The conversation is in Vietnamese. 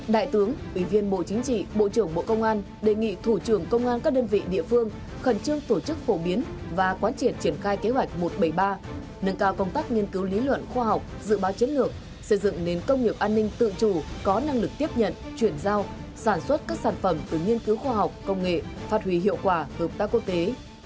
đại tướng ủy viên bộ chính trị bộ trưởng bộ công an đề nghị thủ trưởng công an các đơn vị địa phương khẩn trương tổ chức phổ biến và quán triển triển khai kế hoạch một trăm bảy mươi ba nâng cao công tác nghiên cứu lý luận khoa học dự báo chiến lược xây dựng nền công nghiệp an ninh tự chủ có năng lực tiếp nhận chuyển giao sản xuất các sản phẩm từ nghiên cứu khoa học công nghệ phát huy hiệu quả hợp tác quốc tế